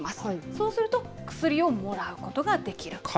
そうすると、薬をもらうことができると。